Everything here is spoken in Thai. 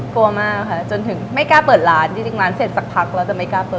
กลัวมากค่ะจนถึงไม่กล้าเปิดร้านจริงร้านเสร็จสักพักเราจะไม่กล้าเปิด